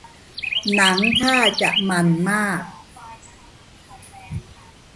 หนังท่าจะมันส์มาก